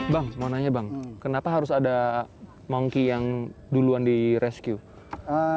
bang mau nanya bang kenapa harus ada monyet yang duluan direscue